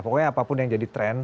pokoknya apapun yang jadi tren